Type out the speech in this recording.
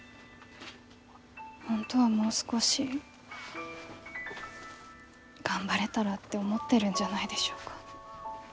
本当はもう少し頑張れたらって思ってるんじゃないでしょうか？